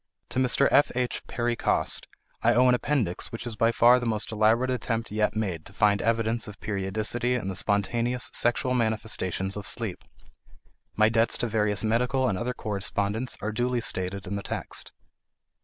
To Mr. F.H. Perry Coste I owe an appendix which is by far the most elaborate attempt yet made to find evidence of periodicity in the spontaneous sexual manifestations of sleep; my debts to various medical and other correspondents are duly stated in the text.